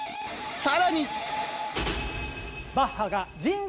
さらに